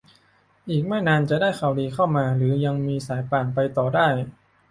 อีกไม่นานจะได้ข่าวดีเข้ามา หรือยังมีสายป่านไปต่อได้